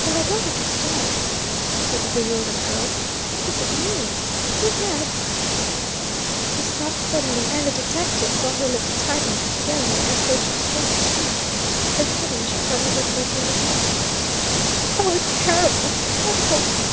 "But I don't understand," said the bewildered girl. "What does it mean? Who had " She stopped suddenly, and the detective saw her lips tighten together, as though to restrain her speech. Then suddenly she covered her face with her hands. "Oh, it's terrible, terrible!"